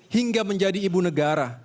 hingga menjadi ibu negara